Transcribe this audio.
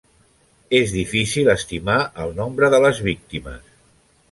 És difícil estimar el nombre de les víctimes.